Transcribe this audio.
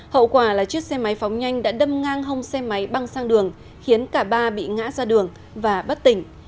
hậu quả là chiếc xe máy phóng nhanh đã đâm ngang hông xe máy băng sang đường khiến cả ba bị ngã ra đường và bất tỉnh